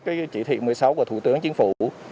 cái chỉ thị một mươi sáu của thủ tướng chính phủ